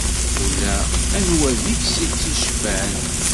Ula anwa deg-s ittceffan.